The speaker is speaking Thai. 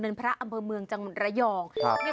พระอำเภอเมืองจังหวัดระยอง